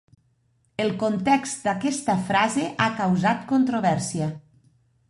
El context d'aquesta frase ha causat controvèrsia.